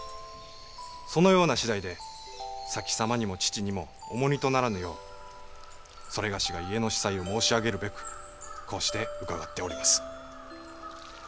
そのような次第で先様にも義父にも重荷とならぬよう某が家の子細を申し上げるべくこうして伺っております。